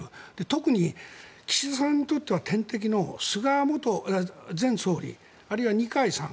特に岸田さんにとっては天敵の菅前総理、あるいは二階さん